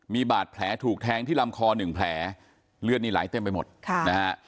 มีบาดแผลถูกแทงที่ลำคอหนึ่งแผลเลือดนี่ไหลเต็มไปหมดค่ะนะฮะ